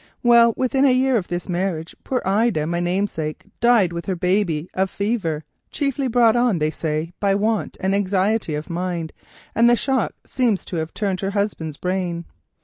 Well, within a year of this marriage, poor Ida, my namesake, died with her baby of fever, chiefly brought on, they say, by want and anxiety of mind, and the shock seems to have turned her husband's brain.